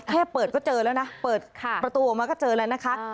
แค่เปิดก็เจอแล้วนะเปิดประตูออกมาก็เจอแล้วนะคะ